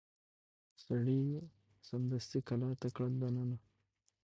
سړي سمدستي کلا ته کړ دننه